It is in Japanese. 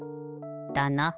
だな。